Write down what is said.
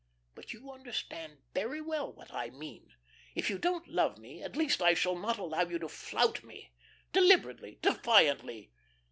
But you understand very well what I mean. If you don't love me, at least I shall not allow you to flout me deliberately, defiantly.